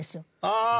ああ！